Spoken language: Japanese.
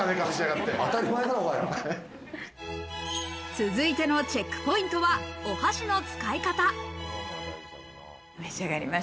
続いてのチェックポイントはお箸の使い方。